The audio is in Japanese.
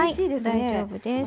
大丈夫です。